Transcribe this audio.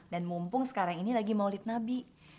dan mumpung sekarang ini lagi mau lidh nabi